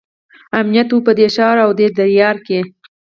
امنیت وو په دې ښار او دې دیار کې.